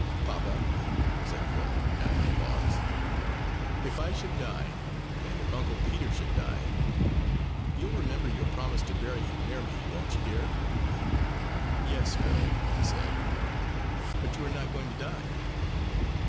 "Papa," said Phil, after a pause, "if I should die, and if Uncle Peter should die, you'll remember your promise and bury him near me, won't you, dear?" "Yes, Phil," he said, "but you are not going to die!"